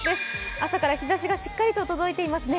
朝から日ざしがしっかりと届いていますね。